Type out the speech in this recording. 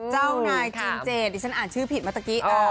เจ้านายจีนเจดดิฉันอ่านชื่อผิดมาเมื่อกี้